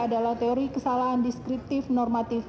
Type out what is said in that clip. adalah teori kesalahan deskriptif normatif